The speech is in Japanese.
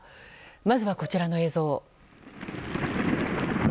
まずはこちらの映像。